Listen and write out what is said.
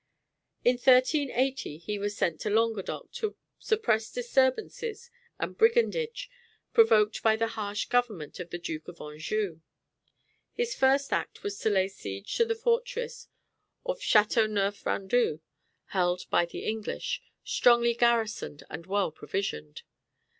In 1380 he was sent into Languedoc to suppress disturbances and brigandage provoked by the harsh government of the Duke of Anjou. His first act was to lay siege to the fortress of Châteauneuf Randou, held by the English, strongly garrisoned and well provisioned.